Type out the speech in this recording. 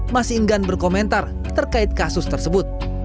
masih enggan berkomentar terkait kasus tersebut